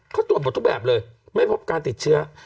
เขาตรวจหมดทุกแบบเลยไม่พบการติดเชื้อ